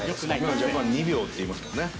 ジャパン２秒っていいますからね。